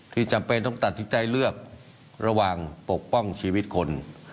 จำเป็นต้องตัดสินใจเลือกระหว่างปกป้องชีวิตคน